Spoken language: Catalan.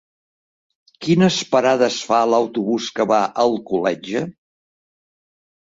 Quines parades fa l'autobús que va a Alcoletge?